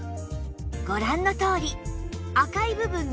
ご覧のとおり赤い部分が減少